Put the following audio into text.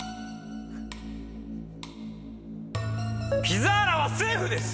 ピザーラはセーフです！